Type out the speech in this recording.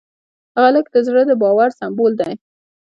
هلک د زړه د باور سمبول دی.